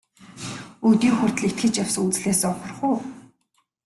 Өдий хүртэл итгэж явсан үзлээсээ ухрах уу?